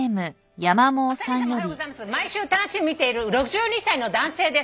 毎週楽しみに見ている６２歳の男性です。